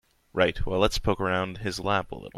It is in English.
Right, well let's poke around his lab a little.